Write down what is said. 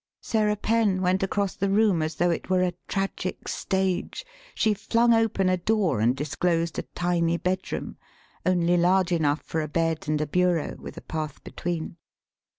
Sarah Penn went across the room as though it were a tragic stage. She flung open a door and disclosed a tiny bedroom, only large enough for a bed and bureau, with a path between.